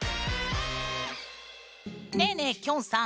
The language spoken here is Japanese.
ねえねえきょんさん。